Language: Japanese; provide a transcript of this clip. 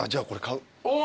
お！